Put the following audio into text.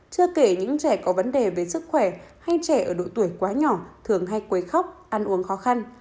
chưa kể những trẻ có vấn đề về sức khỏe hay trẻ ở độ tuổi quá nhỏ thường hay quấy khóc ăn uống khó khăn